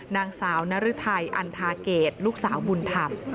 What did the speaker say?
นางสาวนรึทัยอันทาเกตลูกสาวบุญธรรม